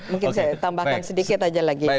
mungkin saya tambahkan sedikit aja lagi